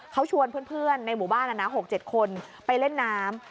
เขาชวนเพื่อนในหมู่บ้าน๖๗คนไปเล่นน้ำ